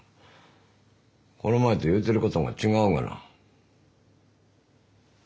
この前と言うてることが違うがな。